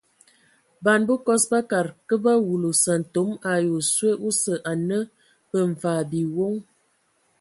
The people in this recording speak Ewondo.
Ban bəkɔs bakad kə ba wulu sƐntome ai oswe osə anə bə mvaa biwoŋ.